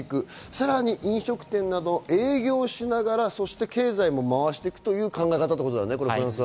さらに飲食店など営業しながら、そして経済を回していくという考え方だよね。